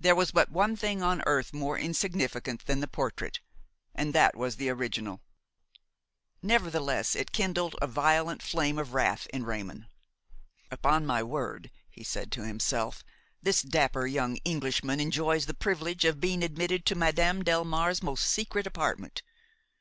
There was but one thing on earth more insignificant than the portrait, and that was the original. Nevertheless it kindled a violent flame of wrath in Raymon. "Upon my word!" he said to himself, "this dapper young Englishman enjoys the privilege of being admitted to Madame Delmare's most secret apartment!